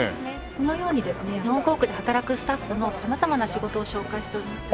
このようにですね日本航空で働くスタッフの様々な仕事を紹介しております。